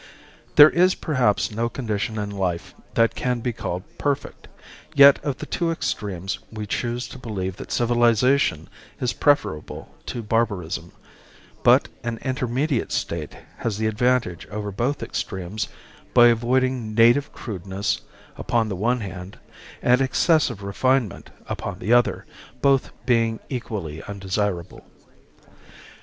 There is perhaps no condition in life that can be called perfect, yet of the two extremes we choose to believe that civilization is preferable to barbarism; but an intermediate state has the advantage over both extremes by avoiding native crudeness upon the one hand and excessive refinement upon the other, both being equally undesirable.